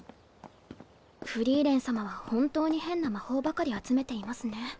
フリーレン様は本当に変な魔法ばかり集めていますね。